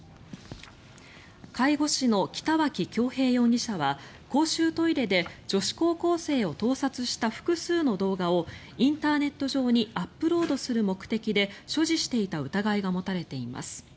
介護士の北脇恭平容疑者は公衆トイレで女子高校生を盗撮した複数の動画をインターネット上にアップロードする目的で所持していた疑いが持たれています。